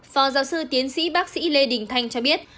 phó giáo sư tiến sĩ bác sĩ lê đình thanh cho biết